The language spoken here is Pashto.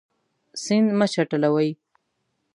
سیند مه چټلوئ.